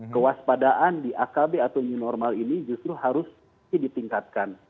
kewaspadaan di akb atau new normal ini justru harus ditingkatkan